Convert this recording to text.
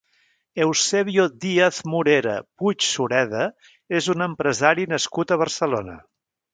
Eusebio Díaz-Morera Puig-Sureda és un empresari nascut a Barcelona.